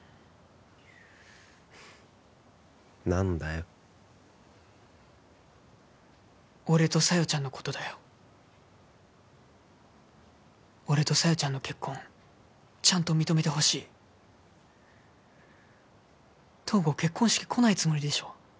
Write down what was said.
何だよ俺と小夜ちゃんのことだよ俺と小夜ちゃんの結婚ちゃんと認めてほしい東郷結婚式来ないつもりでしょ